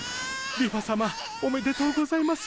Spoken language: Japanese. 梨花さまおめでとうございます。